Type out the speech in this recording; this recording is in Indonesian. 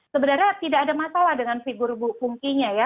sebenarnya tidak ada masalah dengan figur bu pungkinya ya